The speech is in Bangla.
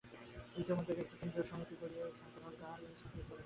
ইতোমধ্যে একটি কেন্দ্রীয় সমিতি করিয়া সমগ্র ভারতে তাহার শাখা স্থাপন করিয়া যাও।